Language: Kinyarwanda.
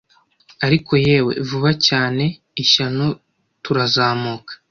Ariko yewe! vuba cyane, ishyano, turazamuka;